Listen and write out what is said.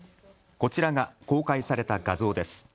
こちらが公開された画像です。